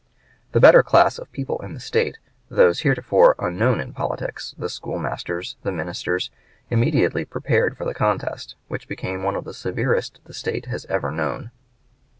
The better class of people in the State, those heretofore unknown in politics, the schoolmasters, the ministers, immediately prepared for the contest, which became one of the severest the State has ever known.